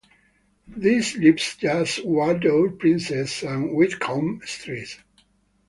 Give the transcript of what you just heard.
This leaves just "Wardour, Princess" and "Whitcomb" streets.